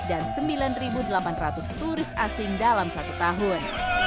dan sembilan delapan ratus turis asing dalam satu tahun